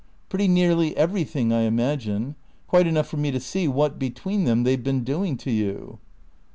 "Pretty nearly everything, I imagine. Quite enough for me to see what, between them, they've been doing to you."